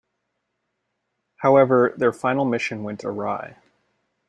However, their final mission went awry.